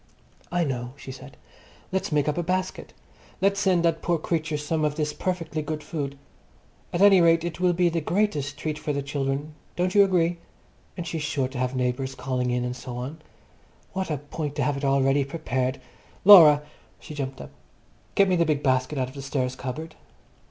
"I know," she said. "Let's make up a basket. Let's send that poor creature some of this perfectly good food. At any rate, it will be the greatest treat for the children. Don't you agree? And she's sure to have neighbours calling in and so on. What a point to have it all ready prepared. Laura!" She jumped up. "Get me the big basket out of the stairs cupboard."